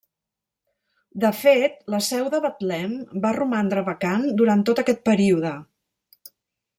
De fet, la seu de Betlem va romandre vacant durant tot aquest període.